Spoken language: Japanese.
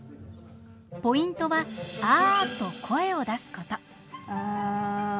ポイントは「あ」と声を出すこと。